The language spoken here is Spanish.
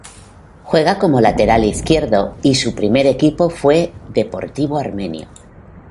Juega como Lateral Izquierdo y su primer equipo fue Deportivo Armenio.